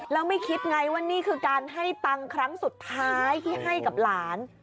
แล้วไม่คิดไงว่านี่คือการให้ตังค์ครั้งสุดท้ายที่ให้กับหลาน